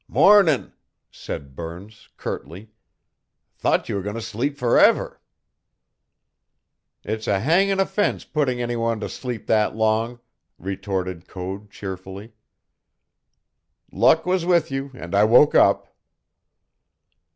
"Mornin'," said Burns curtly. "Thought you were goin' to sleep forever." "It's a hanging offense putting any one to sleep that long," retorted Code cheerfully. "Luck was with you, and I woke up."